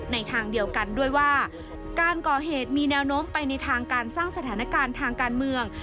ทางเดียวกันด้วยว่าการก่อเหตุมีแนวโน้มไปในทางการสร้างสถานการณ์ทางการเมือง